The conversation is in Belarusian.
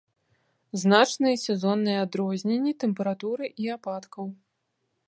Значныя сезонныя адрозненні тэмпературы і ападкаў.